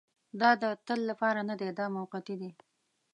دا د تل لپاره نه دی دا موقتي دی.